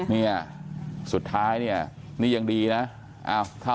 นี่สุดท้ายนี่ยังดีนะ